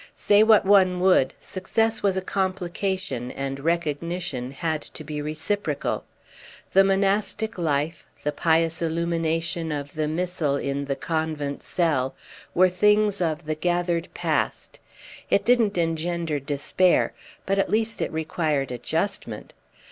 Say what one would, success was a complication and recognition had to be reciprocal. The monastic life, the pious illumination of the missal in the convent cell were things of the gathered past. It didn't engender despair, but at least it required adjustment.